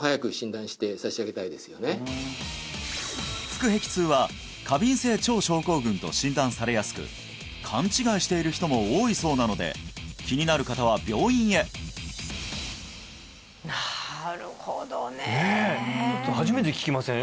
腹壁痛は過敏性腸症候群と診断されやすく勘違いしている人も多いそうなので気になる方は病院へなるほどねねえちょっと初めて聞きません？